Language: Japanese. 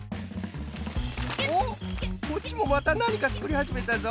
おっこっちもまたなにかつくりはじめたぞ！